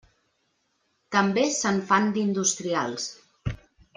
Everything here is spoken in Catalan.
També se'n fan d'industrials.